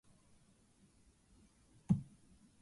Red Mesa contains the district headquarters.